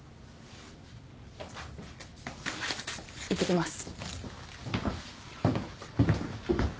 いってきます。